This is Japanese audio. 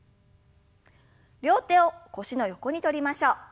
両手を腰の横にとりましょう。